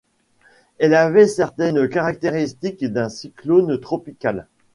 Elle avait certaines caractéristiques d'un cyclone tropical.